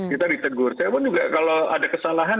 kita ditegur saya pun juga kalau ada kesalahan